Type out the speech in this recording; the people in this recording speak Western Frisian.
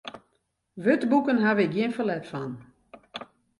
Wurdboeken haw ik gjin ferlet fan.